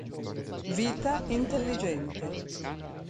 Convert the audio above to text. Vita intelligente